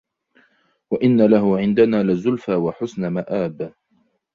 وإن له عندنا لزلفى وحسن مآب